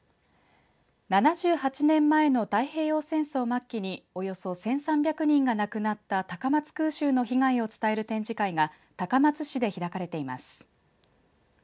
７８年前の太平洋戦争末期におよそ１３００人が亡くなった高松空襲の被害を伝える展示会が高松市で開れています。